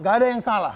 gak ada yang salah